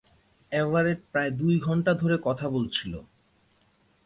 Everett প্রায় দু ঘন্টা ধরে কথা বলেছিল।